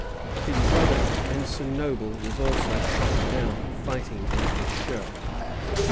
His brother, Ensign Noble, was also shot down, fighting in his shirt.